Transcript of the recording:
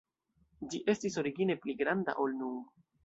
Ĝi estis origine pli granda, ol nun.